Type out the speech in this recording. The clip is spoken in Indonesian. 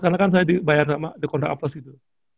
karena kan saya dibayar sama dekondak aplos gitu